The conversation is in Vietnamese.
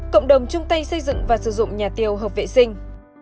cộng đồng chung tay xây dựng và sử dụng nhà tiêu hợp vệ sinh